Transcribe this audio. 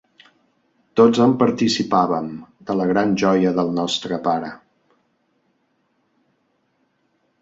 Tots en participàvem, de la gran joia del nostre pare.